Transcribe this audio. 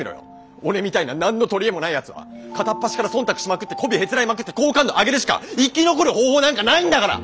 俺みたいな何の取り柄もないやつは片っ端から忖度しまくってこびへつらいまくって好感度上げるしか生き残る方法なんかないんだから！